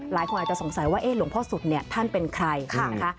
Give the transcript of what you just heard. หลายคนอาจจะสงสัยว่าหลวงพ่อสุดเนี่ยท่านเป็นใครนะคะ